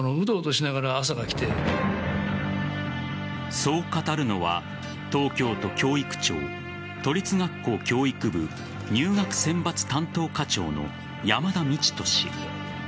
そう語るのは東京都教育庁都立学校教育部入学選抜担当課長の山田道人氏。